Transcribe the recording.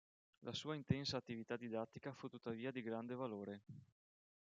La sua intensa attività didattica fu tuttavia di grande valore.